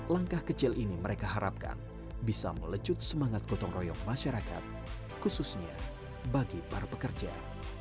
langkah kecil ini mereka harapkan bisa melecut semangat gotong royong masyarakat khususnya bagi para pekerja